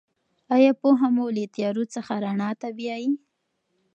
آیا پوهه مو له تیارو څخه رڼا ته بیايي؟